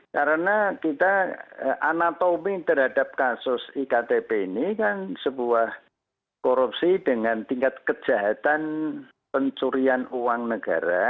karena kita anatomi terhadap kasus iktp ini kan sebuah korupsi dengan tingkat kejahatan pencurian uang negara